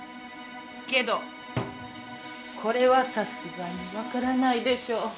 けど、これはさすがに分からないでしょう。